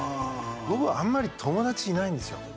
僕はあんまり友達いないんですよ